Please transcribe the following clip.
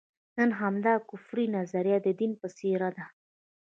نن همدا کفري نظریه د دین په څېر ده.